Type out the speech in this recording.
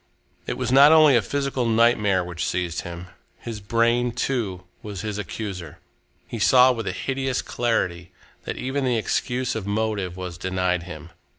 It was not only a physical nightmare which seized him. His brain, too, was his accuser. He saw with a hideous clarity that even the excuse of motive was denied him.